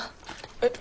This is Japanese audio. えっ？